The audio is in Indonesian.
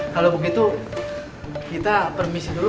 mau kembali ke pos heroi